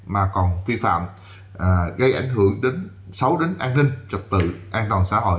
mà còn phi phạm gây ảnh hưởng đến xấu đến an ninh trật tự an toàn xã hội